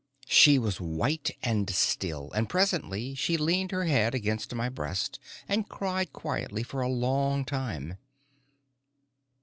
She was white and still, and presently she leaned her head against my breast and cried quietly, for a long time.